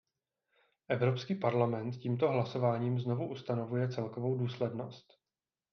Evropský parlament tímto hlasováním znovu ustanovuje celkovou důslednost.